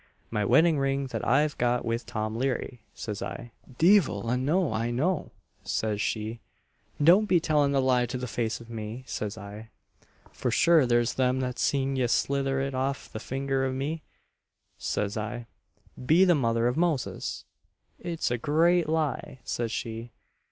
'My wedding ring that I got with Tom Leary,' says I. 'Deevle a know I know!' says she. 'Don't be tellin the lie to the face of me,' says I, 'for sure there's them that seen ye slither it off the finger of me,' says I. 'Be the mother of Moses! it's a graat lie!' says she.